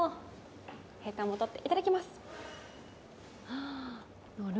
ヘタも取って、いただきます。